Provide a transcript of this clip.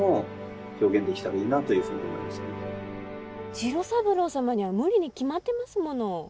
次郎三郎様には無理に決まってますもの。